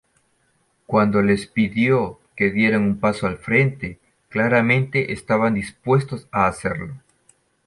Cuando les pidió que dieran un paso al frente, claramente estaban dispuestos a hacerlo".